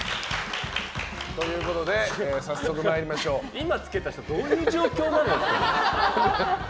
今つけた人どういう状況なの？